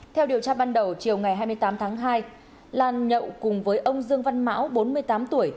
theo điều tra ban đầu chiều ngày hai mươi tám tháng hai lan nhậu cùng với ông dương văn mão bốn mươi tám tuổi